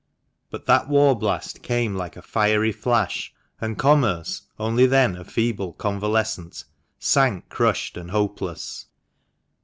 But that war blast came like a fiery flash, and commerce, only then a feeble convalescent, sank crushed and hopeless.